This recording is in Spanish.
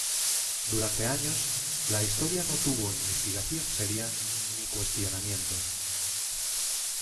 Durante años la historia no tuvo investigación seria ni cuestionamientos.